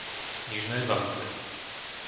Nižné Valice